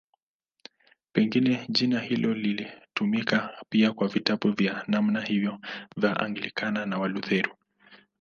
Pengine jina hilo linatumika pia kwa vitabu vya namna hiyo vya Anglikana na Walutheri.